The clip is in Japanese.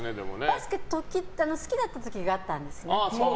バスケ好きだった時があったんです。